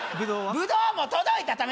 ブドウも届いたタメ